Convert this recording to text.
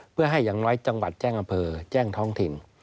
เพื่อให้อย่างน้อยจังหวัดแจ้งอำเภอแจ้งท้องถิ่น